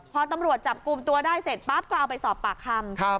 พอตำรวจจับกลุ่มตัวได้เสร็จปั๊บก็เอาไปสอบปากคำ